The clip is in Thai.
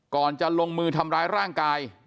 ก่อนจะลงมือทำร้ายร่างกาย